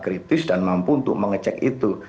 kritis dan mampu untuk mengecek itu